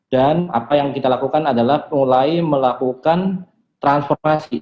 dan apa yang kita lakukan adalah mulai melakukan transformasi